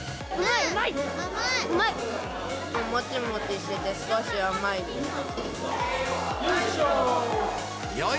もちもちしてて、少し甘いです。